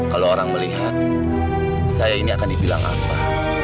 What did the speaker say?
kalau orang melihat saya ini akan dibilang apa